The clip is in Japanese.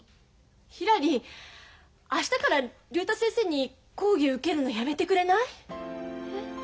ひらり明日から竜太先生に講義受けるのやめてくれない？え？